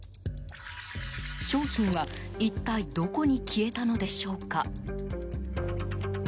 商品は一体どこに消えたのでしょうか。